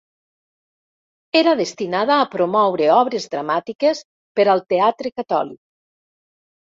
Era destinada a promoure obres dramàtiques per al Teatre Catòlic.